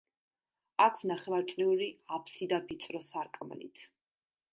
აქვს ნახევარწრიული აფსიდა ვიწრო სარკმლით.